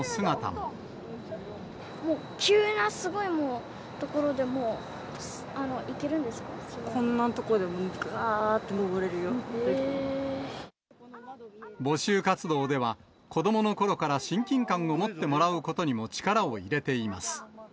もう急なすごい所でも、こんな所でも、がーって登れ募集活動では、子どものころから親近感を持ってもらうことにも力を入れています。